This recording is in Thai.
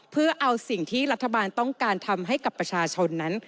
เพื่อเอาสิ่งที่รัฐบาลต้องการทำให้กับประชาชนนั้น